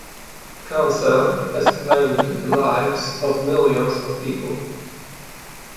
Cancer has claimed the lives of millions of people.